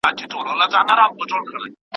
شاه د عدالت او حق غوښتنه تل کړې.